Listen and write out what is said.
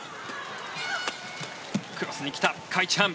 クロスに来た、カ・イチハン。